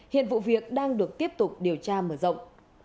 hiện vụ việc đang được tiếp tục điều tra mở rộng